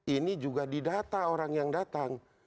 ini juga didata orang yang datang